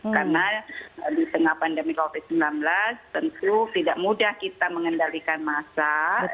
karena di tengah pandemi covid sembilan belas tentu tidak mudah kita mengendalikan masa